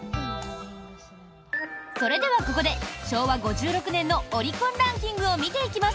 それではここで、昭和５６年のオリコンランキングを見ていきます。